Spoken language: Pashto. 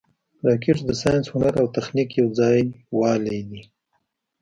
راکټ د ساینس، هنر او تخنیک یو ځای والې دی